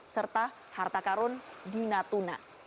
serta harta karun di natuna